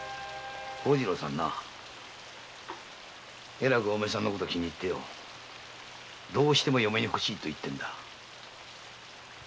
えらくお前のことが気に入ってよどうしても嫁に欲しいと言ってるんだ